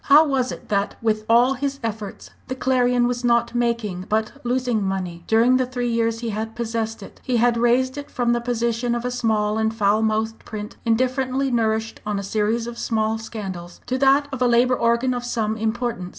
How was it that, with all his efforts, the Clarion was not making, but losing money? During the three years he had possessed it he had raised it from the position of a small and foul mouthed print, indifferently nourished on a series of small scandals, to that of a Labour organ of some importance.